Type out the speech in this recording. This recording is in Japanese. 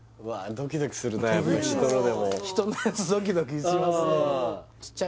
ドキドキするね人のでも人のやつドキドキしますね